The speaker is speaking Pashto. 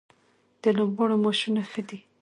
د لوبغاړو معاشونه ښه دي؟